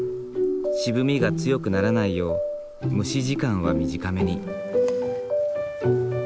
渋みが強くならないよう蒸し時間は短めに。